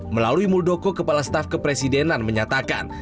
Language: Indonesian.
melalui muldoko kepala staf kepresidenan menyatakan